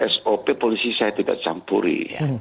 sop polisi saya tidak campuri